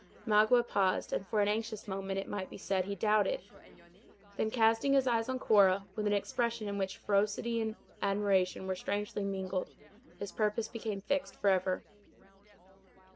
Magua paused, and for an anxious moment, it might be said, he doubted; then, casting his eyes on Cora, with an expression in which ferocity and admiration were strangely mingled, his purpose became fixed forever.